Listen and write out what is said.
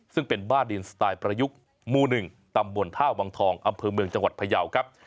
ซึ่งเป็นบ้าดินสไตล์ประยุกต์หมู่๑ตำบลท่าวังทองอำเภอเมืองจังหวัดพยาวครับ